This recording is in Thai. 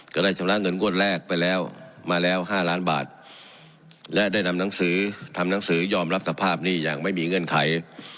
ก็ได้ชำระเงินงวดแรกไปแล้วมาแล้ว๕ล้านบาทและได้นำหนังสือทำหนังสือยอมรับสภาพหนี้อย่างไม่มีเงื่อนไข